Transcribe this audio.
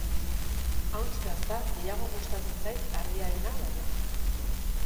Ahuntz gazta gehiago gustatzen zait ardiarena baino.